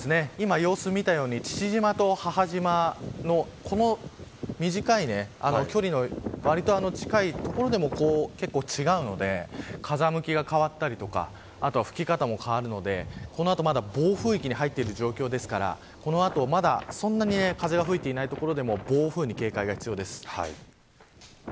今様子を見たように父島と母島の短い距離の、近い所でも結構違うので風向きが変わったり吹き方も変わるのでこの後、まだ暴風域に入っている状況ですからそんなに風が吹いていない所でも暴風に警戒が必要です。